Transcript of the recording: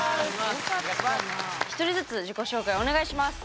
１人ずつ自己紹介をお願いします。